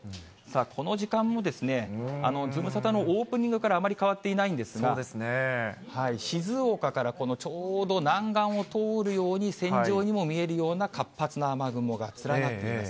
この時間もですね、ズムサタのオープニングから、あまり変わっていないんですが、静岡から、このちょうど南岸を通るように線状にも見えるような活発な雨雲が連なっています。